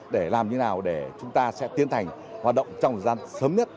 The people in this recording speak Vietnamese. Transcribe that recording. để làm như nào để chúng ta sẽ tiến hành hoạt động trong thời gian sớm nhất